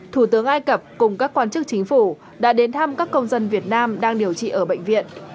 thủ tướng ai cập cùng các quan chức chính phủ đã đến thăm các công dân việt nam đang điều trị ở bệnh viện